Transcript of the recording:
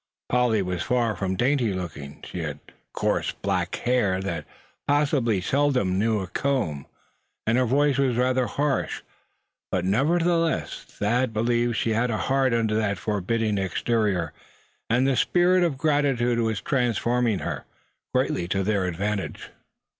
Polly was far from dainty looking; she had coarse black hair that possibly seldom knew a comb; and her voice was rather harsh; but nevertheless Thad believed she had a heart under this forbidding exterior, and that the spirit of gratitude was transforming her, greatly to their advantage.